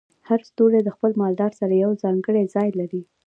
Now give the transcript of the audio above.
هر ستوری د خپل مدار سره یو ځانګړی ځای لري.